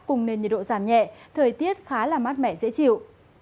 cùng nền nhiệt độ giảm nhẹ thời tiết khá là mát mẻ dễ chịu